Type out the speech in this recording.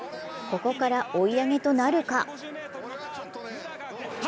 ここから追い上げとなるか。